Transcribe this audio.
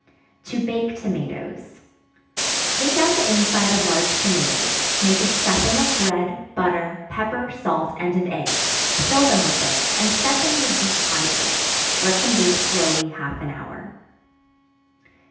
To Bake Tomatoes. Take out the inside of large tomatoes, make a stuffing of bread, butter, pepper, salt and an egg; fill them with this, and set them in a deep pie plate; let them bake slowly half an hour.